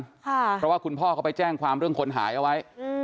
เพราะว่าคุณพ่อเขาไปแจ้งความเรื่องคนหายเอาไว้